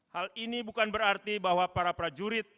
hal ini bukan berarti bahwa para prajurit